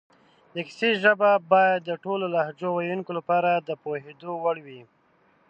د کیسې ژبه باید د ټولو لهجو ویونکو لپاره د پوهېدو وړ وي